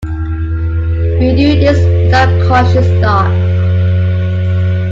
We do this without conscious thought.